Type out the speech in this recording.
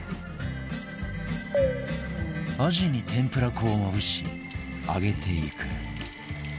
アジに天ぷら粉をまぶし揚げていく